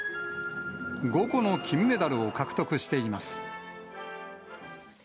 ５個の金メダルを獲得しています。